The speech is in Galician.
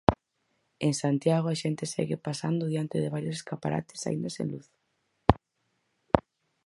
En Santiago a xente segue pasando diante de varios escaparates aínda sen luz.